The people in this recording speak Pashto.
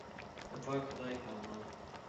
د پاک خدای په امان.